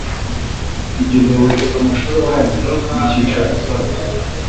igenewe amashuri abanza n'icyiciro rusange